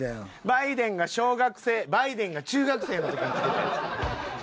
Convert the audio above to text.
バイデンが小学生バイデンが中学生の時に着てたやつ。